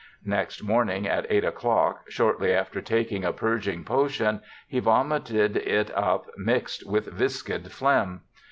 Next morning at 8 o'clock, shortly after taking a purging potion he vomited it up mixed with viscid phlegm.